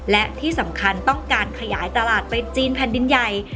และที่สำคัญต้องการขยายตลาดไปจีนแผ่นดินใหญ่